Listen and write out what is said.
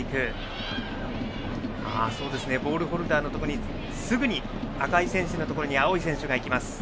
ボールホルダーのところにすぐ赤い選手のところに青い選手が行きます。